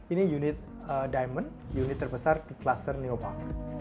ini unit diamond unit terbesar di kluster neopark